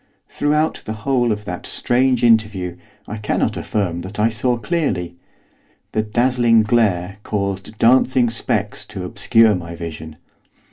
Throughout the whole of that strange interview I cannot affirm that I saw clearly; the dazzling glare caused dancing specks to obscure my vision.